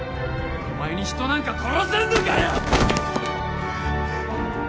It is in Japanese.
お前に人なんか殺せんのかよ？